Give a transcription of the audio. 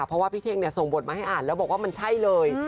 เพราะว่าพี่เท่งส่งบทมาให้อ่านแล้วบอกว่ามันใช่เลย